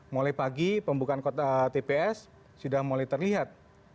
mulai pagi pembukaan kota tps sudah mulai terlihat